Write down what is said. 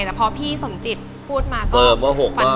เพราะว่าพี่สมจิตพูดมาก็